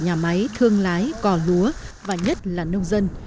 nhà máy thương lái cò lúa và nhất là nông dân